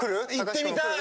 行ってみたい！